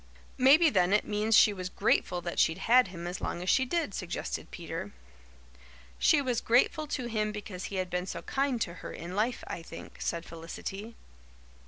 "Maybe, then, it means she was grateful that she'd had him as long as she did," suggested Peter. "She was grateful to him because he had been so kind to her in life, I think," said Felicity.